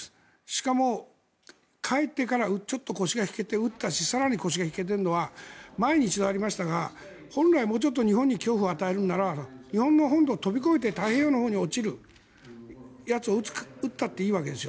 しかも、帰ってからちょっと腰が引けて撃ったし更に腰が引けてるのは前に一度ありましたが本来、日本に脅威を与えるなら日本の本土を飛び越えて太平洋のほうに落ちるやつを撃ったっていいわけです。